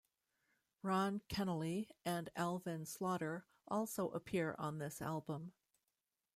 Ron Kenoly and Alvin Slaughter also appear on this album.